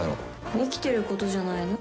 生きてることじゃないの？